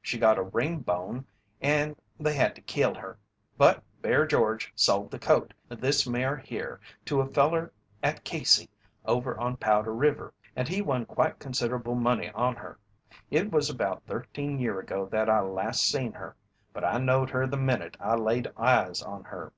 She got a ring bone and they had to kill her, but Bear George sold the colt, this mare here, to a feller at Kaysee over on Powder River and he won quite considerable money on her. It was about thirteen year ago that I last seen her, but I knowed her the minute I laid eyes on her.